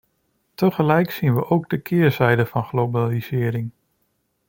Tegelijk zien we echter ook de keerzijde van globalisering.